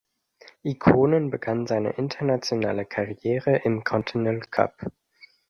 Ikonen begann seine internationale Karriere im Continental Cup.